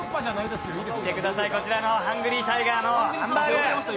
見てください、こちらのハングリータイガーのハンバーグ。